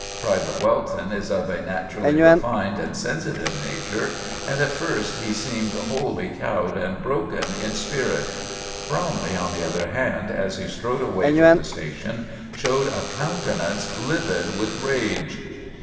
Private Welton is of a naturally refined and sensitive nature, and at first he seemed wholly cowed and broken in spirit. Bromley, on the other hand, as he strode away from the station, showed a countenance livid with rage.